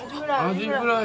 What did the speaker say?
アジフライ！